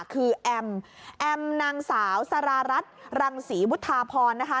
คือแอมแอมนางสาวสารารัฐรังศรีวุฒาพรนะคะ